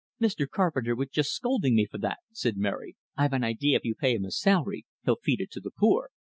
"Mr. Carpenter was just scolding me for that," said Mary. "I've an idea if you pay him a salary, he'll feed it to the poor."